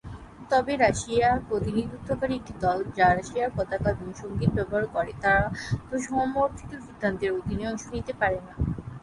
তবে রাশিয়ার প্রতিনিধিত্বকারী একটি দল যা রাশিয়ার পতাকা এবং সংগীত ব্যবহার করে তারা অর্ধ-সমর্থিত সিদ্ধান্তের অধীনে অংশ নিতে পারে না।